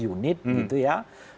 unit gitu ya